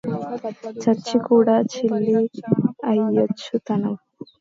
చచ్చి కూడ చీల్చి యిచ్చు తనువు